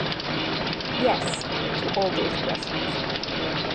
Yes, to all those questions.